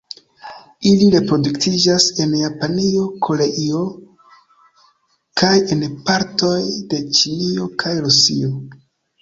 Ili reproduktiĝas en Japanio, Koreio kaj en partoj de Ĉinio kaj Rusio.